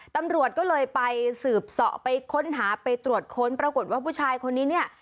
ตำรวจก็เลยไปสืบเสาะไปค้นหาไปตรวจค้นปรากฏว่าผู้ชายคนนี้เนี่ย